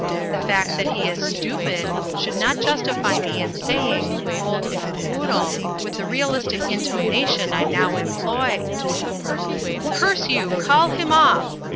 The fact that he is stupid would not justify me * in saying 'hold him, Quoodle/ with the realistic into nation I now employ " "Curse you, call him off!"